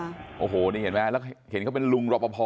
โอ้โหนี่เห็นไหมแล้วเห็นเขาเป็นลุงรอปภ